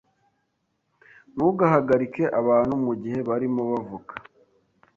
Ntugahagarike abantu mugihe barimo bavuga.